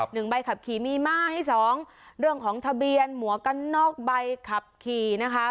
หนึ่งใบขับขี่มีมาให้สองเรื่องของทะเบียนหมวกกันนอกใบขับขี่นะคะ